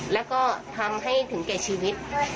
แล้วก็ทำให้ถึงแก่ชีวิต